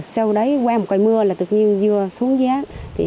sau đấy qua một cây mưa là tự nhiên dưa xuống giá